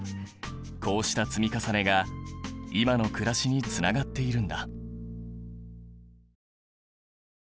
こうした積み重ねが今の暮らしにつながっているんだ。